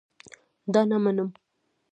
دا نه منم